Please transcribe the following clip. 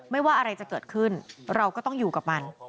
ว่าอะไรจะเกิดขึ้นเราก็ต้องอยู่กับมัน